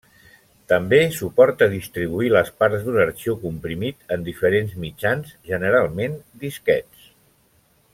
També suporta distribuir les parts d'un arxiu comprimit en diferents mitjans, generalment disquets.